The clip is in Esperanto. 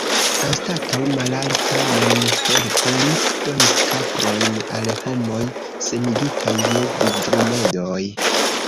Anstataŭ malalta monhelpo, li donis kaprojn al homoj senigitaj je vivrimedoj.